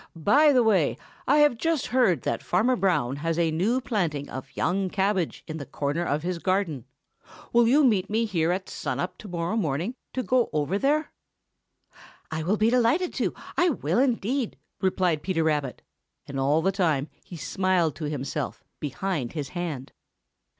By the way, I have just heard that Farmer Brown has a new planting of young cabbage in the corner of his garden. Will you meet me here at sun up to morrow morning to go over there?" "I will be delighted to, I will indeed!" replied Peter Rabbit, and all the time he smiled to himself behind his hand.